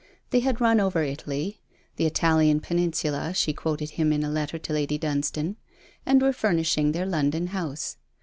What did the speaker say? They had run over Italy: 'the Italian Peninsula,' she quoted him in a letter to Lady Dunstane: and were furnishing their London house.